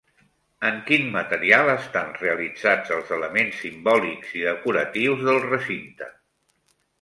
En quin material estan realitzats els elements simbòlics i decoratius del recinte?